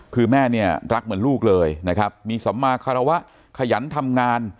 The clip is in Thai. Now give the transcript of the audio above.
คือแม่เนี่ยรักเหมือนลูกเลยนะครับมีสัมมาคารวะขยันทำงาน